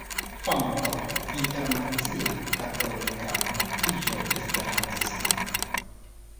Fonto: Internacia Katolika Unuiĝo Esperantista.